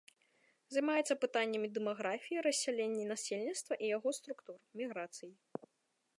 Займаецца пытаннямі дэмаграфіі, рассялення насельніцтва і яго структур, міграцый.